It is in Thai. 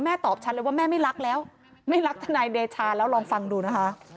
ตอบชัดเลยว่าแม่ไม่รักแล้วไม่รักทนายเดชาแล้วลองฟังดูนะคะ